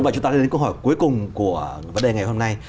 vậy chúng ta đến với câu hỏi cuối cùng của vấn đề ngày hôm nay